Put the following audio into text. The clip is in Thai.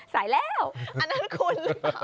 สายแล้วอันนั้นคุณ